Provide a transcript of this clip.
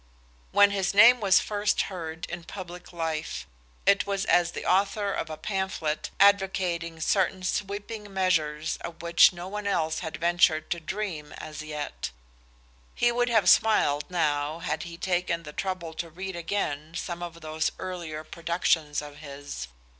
When his name was first heard in public life, it was as the author of a pamphlet advocating certain sweeping measures of which no one else had ventured to dream as yet. He would have smiled now had he taken the trouble to read again some of those earlier productions of his.